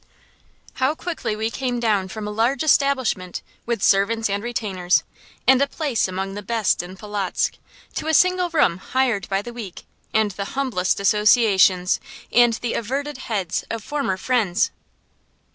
How quickly we came down from a large establishment, with servants and retainers, and a place among the best in Polotzk, to a single room hired by the week, and the humblest associations, and the averted heads of former friends!